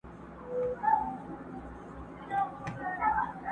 او د مقاومت توان له لاسه ورکوي.